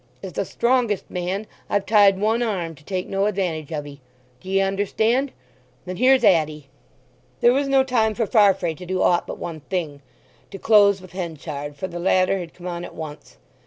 As the strongest man I've tied one arm to take no advantage of 'ee. D'ye understand? Then here's at 'ee!" There was no time for Farfrae to do aught but one thing, to close with Henchard, for the latter had come on at once.